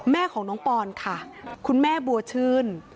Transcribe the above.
แม่ของน้องปอนค่ะคุณแม่บัวชื่น